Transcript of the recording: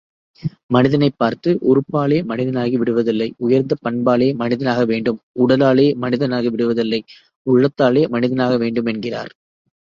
மனிதனைப் பார்த்து, உறுப்பாலே மனிதனாகி விடுவதில்லை... உயர்ந்த பண்பாலே மனிதனாக வேண்டும் உடலாலே மனிதனாகிவிடுவதில்லை உள்ளத்தால் மனிதனாகவேண்டும் என்கிறார்.